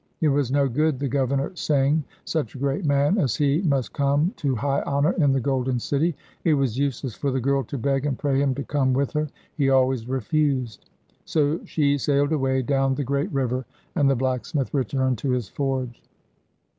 It was no good the governor saying such a great man as he must come to high honour in the Golden City, it was useless for the girl to beg and pray him to come with her he always refused. So she sailed away down the great river, and the blacksmith returned to his forge.